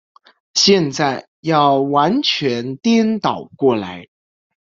现在要完全颠倒过来。